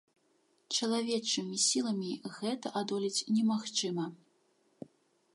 Чалавечымі сіламі гэта адолець немагчыма.